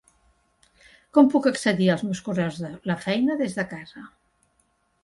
Com puc accedir als meus correus de la feina des de casa?